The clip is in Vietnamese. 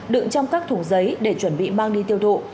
đựng trong các thủ giấy để chuẩn bị mang đi tiêu thụ